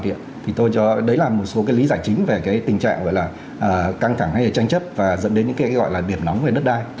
thì tôi cho đấy là một số cái lý giải chính về cái tình trạng gọi là căng thẳng hay là tranh chấp và dẫn đến những cái gọi là điểm nóng về đất đai